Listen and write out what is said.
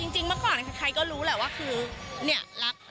จริงเมื่อก่อนใครก็รู้แหละว่าคือ